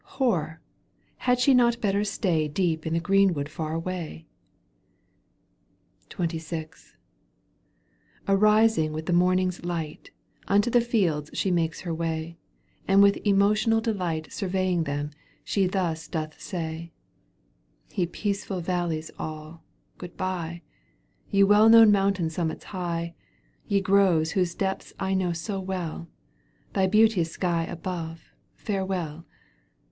Horror ! had she not better stay Deep in the greenwood far away ? ^f ' U^tiJ' XXVI. Arising with the morning's light, Unto the fields she makes her way, And with emotional delight Surveying them, she thus doth say :' Ye peaceful valleys all, good bye ! Ye well known mountain summits high. Ye groves whose depths I know so well. Thou beauteous sky above, farewell